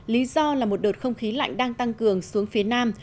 lý do là một đợt không khí lạnh đang tăng cường xuống phía nam